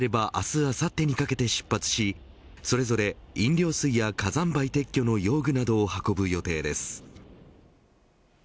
早ければ明日あさってにかけて出発しそれぞれ飲料水や火山灰撤去の用具などを運ぶ予定です。